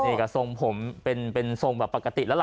นี่ก็ทรงผมเป็นทรงแบบปกติแล้วล่ะ